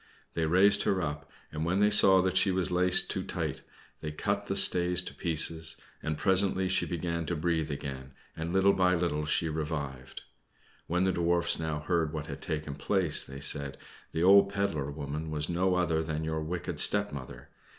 They raised her up, and when they saw that she was laced too tight they cut the stays to pieces, and presently she began to breathe again, and little by little she revived. When the Dwarfs now heard what had taken place, they said, "The old pedler woman was no other than your wicked stepmother.